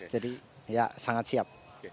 jadi ya sangat siap